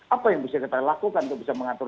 apa yang bisa kita lakukan untuk bisa mengatur